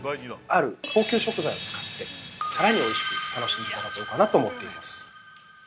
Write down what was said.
◆ある高級食材を使って、さらにおいしく、楽しんでいただこうかなと思っています。